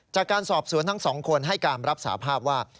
จากการสอบสวนทั้งสองคนให้การรับสาภาพว่า